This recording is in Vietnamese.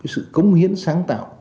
sự cống hiến sáng tạo